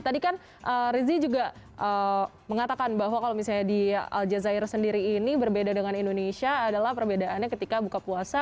tadi kan rizie juga mengatakan bahwa kalau misalnya di al jazeera sendiri ini berbeda dengan indonesia adalah perbedaannya ketika buka puasa